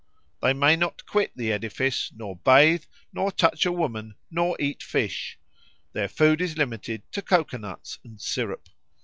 They may not quit the edifice, nor bathe, nor touch a woman, nor eat fish; their food is limited to coco nuts and syrup.